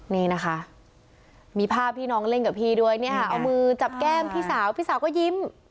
นี่นะคะมีภาพที่น้องเล่นกับพี่ด้วยเนี่ยค่ะเอามือจับแก้มพี่สาวพี่สาวก็ยิ้ม